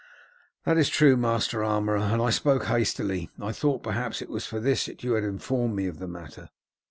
"That is true, master armourer, and I spoke hastily. I thought perhaps it was for this that you had informed me of the matter."